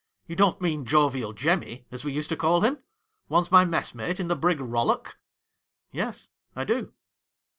' You don't mean Jovial Jemmy, as we used to call him ; once my messmate in the brig "Bollock."' ' Yes, I do.'